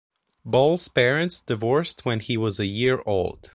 Ball's parents divorced when he was a year old.